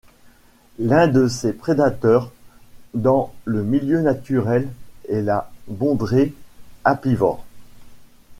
L'un de ses prédateurs dans le milieu naturel est la bondrée apivore.